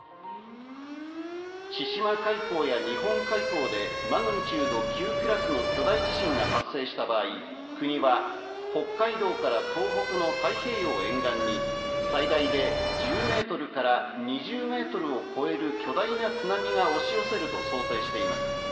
千島海溝や日本海溝でマグニチュード９クラスの巨大地震が発生した場合、国は北海道から東北の太平洋沿岸に最大で１０ｍから２０ｍを超える巨大な津波が押し寄せると想定しています。